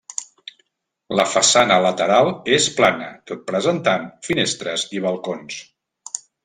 La façana lateral és plana tot presentant finestres i balcons.